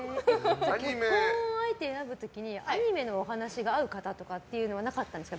結婚相手を選ぶ時にアニメのお話が合う方っていうのはなかったんですか？